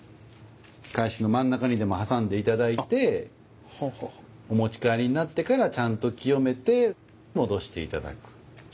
懐紙の真ん中にでも挟んで頂いてお持ち帰りになってからちゃんと清めて戻して頂く。